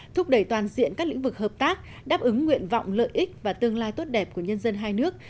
thúc đẩy toàn diện các lĩnh vực hợp tác đáp ứng nguyện vọng lợi ích và tương lai tốt đẹp của nhân dân hai nước